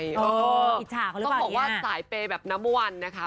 อิจฉากหรือเปล่าต้องบอกว่าสายเปยแบบน้ำวันนะคะ